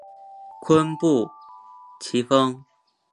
坤布崎峰